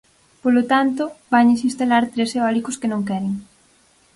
Polo tanto, vanlles instalar tres eólicos que non queren.